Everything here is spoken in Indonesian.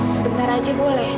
sebentar saja boleh